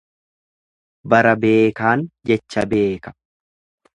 Bara beekaan jecha beeka.